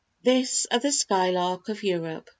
This of the skylark of Europe.